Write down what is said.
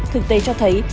thực tế cho thấy